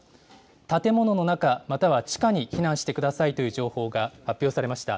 建物の中、または地下に避難してくださいという情報が発表されました。